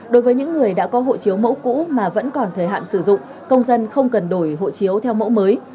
đối với những người đã có hộ chiếu mẫu cũ mà vẫn còn thời hạn sử dụng công dân không cần đổi hộ chiếu theo mẫu mới